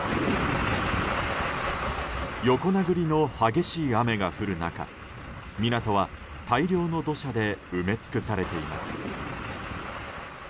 横殴りの激しい雨が降る中港は大量の土砂で埋め尽くされています。